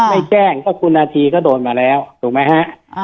ไม่แจ้งก็คุณนาธีก็โดนมาแล้วถูกไหมฮะ